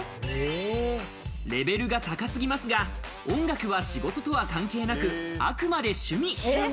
レベルが高すぎますが、音楽は仕事とは関係なく、あくまで趣味。